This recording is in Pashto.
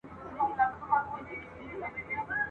پردې ځمکه قيامونه !.